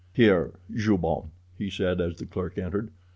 "Here, Joubon," he said as the clerk entered.